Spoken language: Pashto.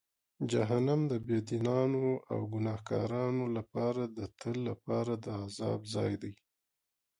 جهنم د بېدینانو او ګناهکارانو لپاره د تل لپاره د عذاب ځای دی.